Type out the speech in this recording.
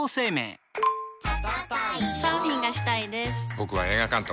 僕は映画監督。